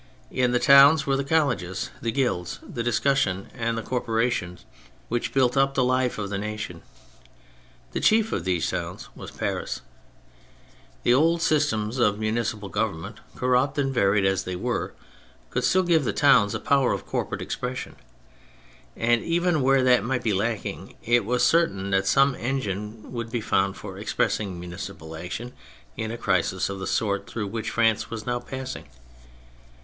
In the towns were the colleges, the guilds, the discussion and the corporations which built up the life of the nation. The chief of these towns was Paris. The old systems of muni cipal government, corrupt and varied as they were, could still give the towns a power of corporate expression. And even where that might be lacking it was certain that some engine would be found for expressing muni cipal action in a crisis of the sort through which France was now passing.